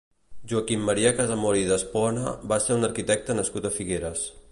Joaquim Maria Casamor i d'Espona va ser un arquitecte nascut a Figueres.